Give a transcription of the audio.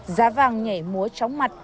giá vàng nhảy múa tróng mặt